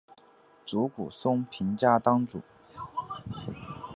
竹谷松平家当主。